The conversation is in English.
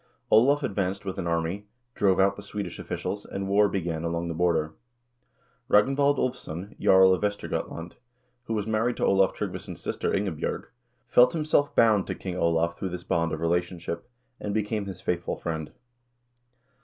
Olav advanced with an army, drove out the Swedish officials, and war began along the border. Ragnvald Ulvsson, jarl of Vestergot land, who was married to Olav Tryggvason's sister Ingebj0rg, felt himself bound to King Olav through this bond of relationship, and became his faithful friend.